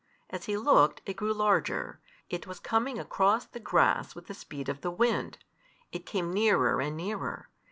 As he looked, it grew larger: it was coming across the grass with the speed of the wind. It came nearer and nearer.